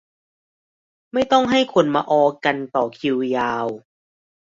ไม่ต้องให้คนมาออกันต่อคิวยาว